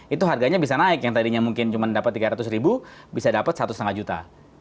itu harganya bisa naik yang tadinya mungkin cuma dapat tiga ratus ribu bisa dapat satu lima juta